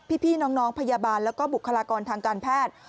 พี่น้องพยาบาลแล้วก็บุคลากรทางการแพทย์